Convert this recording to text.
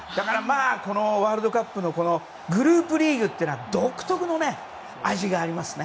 このワールドカップのグループリーグというのは独特の味がありますね。